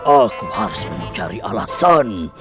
aku harus mencari alasan